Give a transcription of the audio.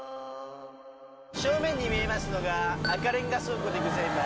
正面に見えますのが赤レンガ倉庫でございます。